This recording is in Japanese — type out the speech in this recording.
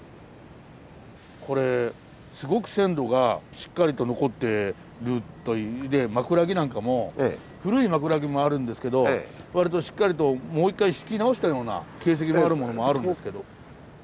これすごく線路がしっかりと残ってる枕木なんかも古い枕木もあるんですけどわりとしっかりともう一回敷き直したような形跡のあるものもあるんですけど。